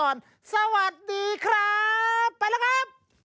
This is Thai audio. สวัสดีครับไปแล้วครับ